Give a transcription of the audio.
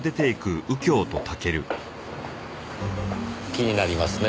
気になりますね。